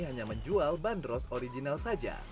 hanya menjual bandros original saja